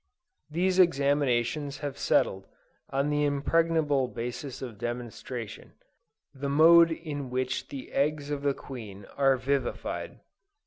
These examinations have settled, on the impregnable basis of demonstration, the mode in which the eggs of the Queen are vivified.